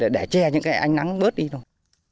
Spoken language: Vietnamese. để che những cái ánh nắng bớt đi thôi